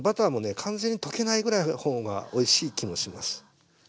完全に溶けないぐらいの方がおいしい気もします。